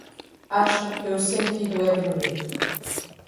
acho que o sentido é dormir.